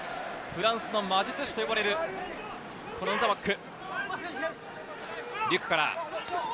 フランスの魔術師と呼ばれるヌタマック。